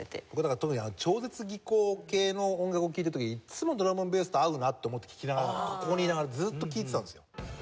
特に超絶技巧系の音楽を聴いた時いつもドラムンベースと合うなと思って聴きながらここにいながらずっと聴いてたんですよ。